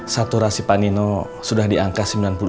saturasi panino sudah di angka sembilan puluh delapan